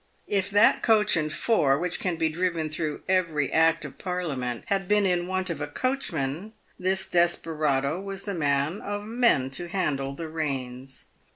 If that coach and four which can be driven through every act of Parlia ment had been in want of a coachman, this desperado was the man of men to handle the reins.